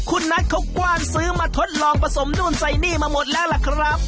คุณนัทเขากว้านซื้อมาทดลองผสมนู่นใส่นี่มาหมดแล้วล่ะครับ